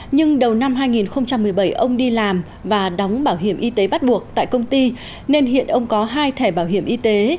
nhưng đầu năm hai nghìn một mươi bảy ông đi làm và đóng bảo hiểm y tế bắt buộc tại công ty nên hiện ông có hai thẻ bảo hiểm y tế